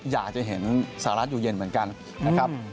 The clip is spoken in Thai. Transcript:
อยากจะเห็นสหรัฐอยู่เย็นเหมือนกันนะครับ